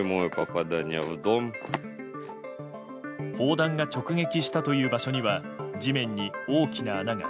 砲弾が直撃したという場所には地面に大きな穴が。